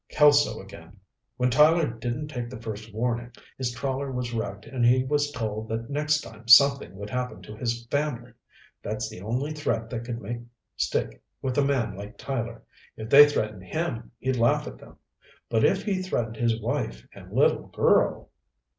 "Kelso again. When Tyler didn't take the first warning, his trawler was wrecked and he was told that next time something would happen to his family. That's the only threat they could make stick with a man like Tyler. If they threatened him, he'd laugh at them. But if they threatened his wife and little girl